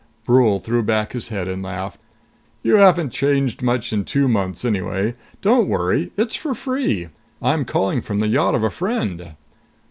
Brule threw back his head and laughed. "You haven't changed much in two months, anyway! Don't worry. It's for free. I'm calling from the yacht of a friend."